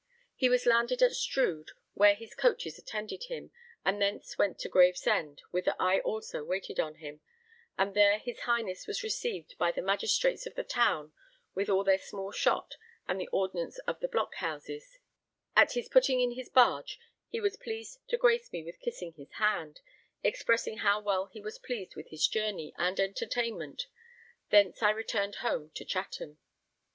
He was landed at Strood, where his coaches attended him, and thence went to Gravesend, whither I also waited on him, and there his Highness was received by the magistrates of the town with all their small shot and the ordnance of the blockhouses: at his putting in his barge he was pleased to grace me with kissing his hand, expressing how well he was pleased with his journey and entertainment; thence I returned home to Chatham.